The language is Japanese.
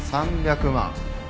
３００万。